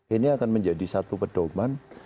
ini akan menjadi satu pedoman